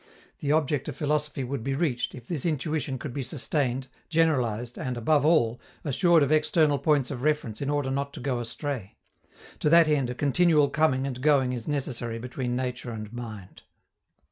The object of philosophy would be reached if this intuition could be sustained, generalized and, above all, assured of external points of reference in order not to go astray. To that end a continual coming and going is necessary between nature and mind.